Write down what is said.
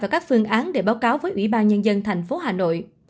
và các phương án để báo cáo với ủy ban nhân dân thành phố hà nội